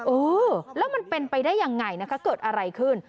เออแล้วมันเป็นไปได้ยังไงนะคะเกิดอะไรขึ้น